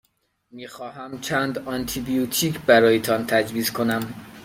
می خواهمم چند آنتی بیوتیک برایتان تجویز کنم.